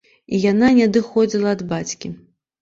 І яна не адыходзіла ад бацькі.